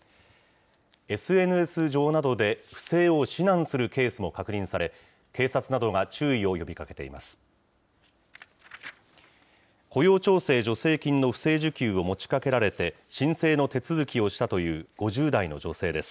ＳＮＳ上などで不正を指南するケースも確認され、警察などが注意を呼びかけています。